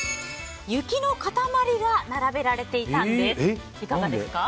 雪の塊が並べられていたんです。